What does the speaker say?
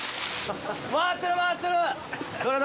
回ってる、回ってる！